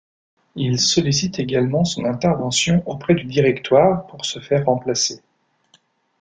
Il sollicite également son intervention auprès du Directoire pour se faire remplacer.